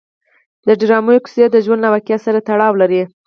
د ډرامو کیسې د ژوند له واقعیت سره تړاو لري.